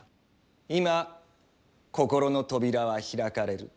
今心の扉は開かれる。